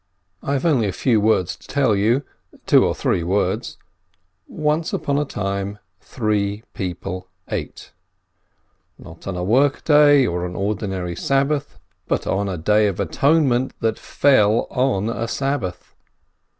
I have only a few words to tell you, two or three words: once upon a time three people ate. Not on a workday or an ordinary Sabbath, but on a Day of Atonement that fell on a Sabbath.